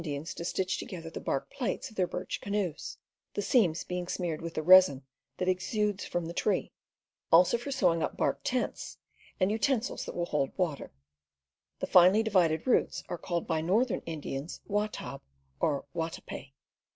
dians to stitch together the bark plates ^ J of their birch canoes, the seams being smeared with the resin that exudes from the tree; also for sewing up bark tents, and utensils that will hold water. The finely divided roots are called by northern Indians watab or watape.